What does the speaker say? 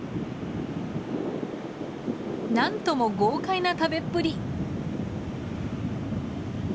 何とも豪快な食べっぷり。